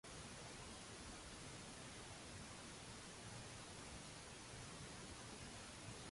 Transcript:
Ir-rapport finali se jiġi ffinalizzat qabel l-aħħar tas-sena.